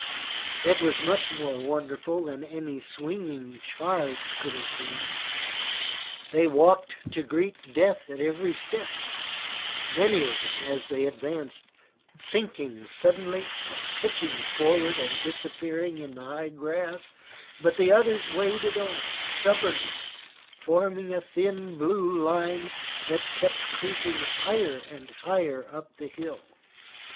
It was much more wonderful than any swinging charge could have been. They walked to greet death at every step, many of them, as they advanced, sinking suddenly or pitching forward and disappearing in the high grass, but the others waded on, stubbornly, forming a thin blue line that kept creeping higher and higher up the hill.